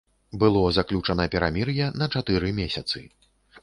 Было заключана перамір'е на чатыры месяцы.